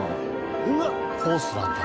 うわっ！コースなんだな。